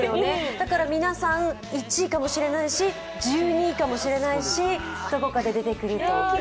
だから皆さん、１位かもしれないし１２以下もしれないしどこかで出てくると。